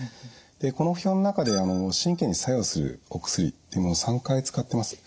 でこの表の中では神経に作用するお薬っていうものを３回使ってます。